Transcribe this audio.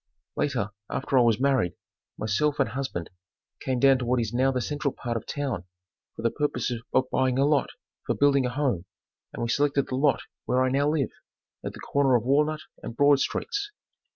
Later, after I was married, myself and husband came down to what is now the central part of town for the purpose of buying a lot for building a home, and we selected the lot where I now live, at the corner of Walnut and Broad streets.